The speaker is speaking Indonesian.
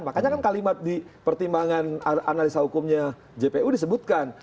makanya kan kalimat di pertimbangan analisa hukumnya jpu disebutkan